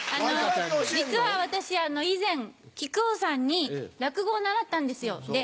実は私以前木久扇さんに落語を習ったんですよ。